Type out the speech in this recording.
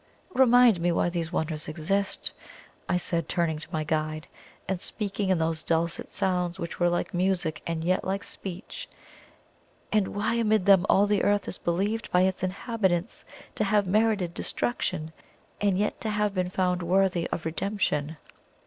"Remind me why these wonders exist," I said, turning to my guide, and speaking in those dulcet sounds which were like music and yet like speech; "and why amid them all the Earth is believed by its inhabitants to have merited destruction, and yet to have been found worthy of redemption?"